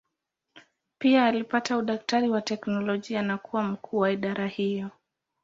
Pia alipata udaktari wa teolojia na kuwa mkuu wa idara hiyo.